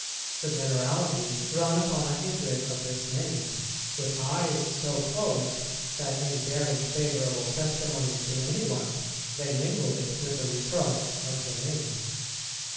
The generality run upon a hatred of this name, with eyes so closed that in bearing favourable testimony to any one they mingle with it the reproach of the name.